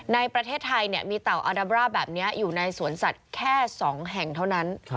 ในประเทศไทยมีเต่าอาดาบร่าแบบนี้อยู่ในสวนสัตว์แค่๒แห่งเท่านั้น